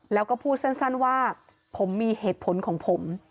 แล้วก็พูดสั้นว่าผมมีเหตุผลของผม